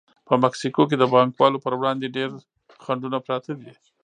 په مکسیکو کې د پانګوالو پر وړاندې ډېر خنډونه پراته دي.